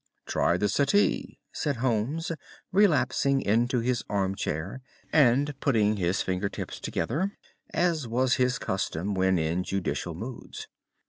"Try the settee," said Holmes, relapsing into his armchair and putting his fingertips together, as was his custom when in judicial moods.